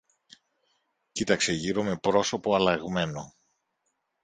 Κοίταξε γύρω με πρόσωπο αλλαγμένο.